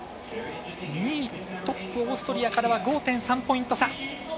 ２位、トップ、オーストリアからは５．３ポイント差。